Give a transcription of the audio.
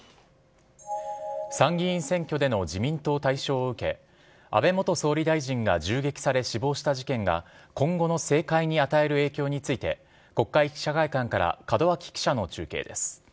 参議院選挙での自民党大勝を受け、安倍元総理大臣が銃撃され、死亡した事件が、今後の政界に与える影響について、国会記者会館から門脇記者の中継です。